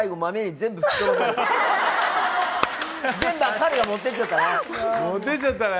全部、彼が持ってっちゃったよね。